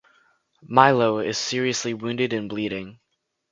Milo is seriously wounded and bleeding.